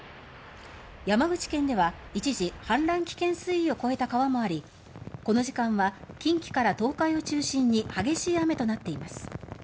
山口県では、一時氾濫危険水位を超えた川もありこの時間は近畿から東海を中心に激しい雨になっています。